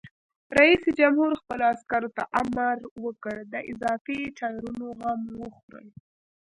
رئیس جمهور خپلو عسکرو ته امر وکړ؛ د اضافي ټایرونو غم وخورئ!